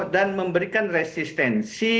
dan memberikan resistensi